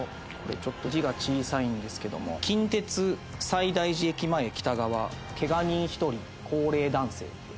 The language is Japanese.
ちょっと字が小さいんですけども「近鉄西大寺駅前北側けが人１人高齢男性」って。